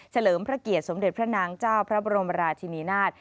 เลิมพระเกียรติสมเด็จพระนางเจ้าพระบรมราชินีนาฏ